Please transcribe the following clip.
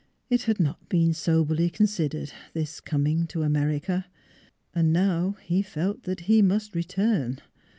It had not been soberly consid ered this coming to America. And now he felt that he must return.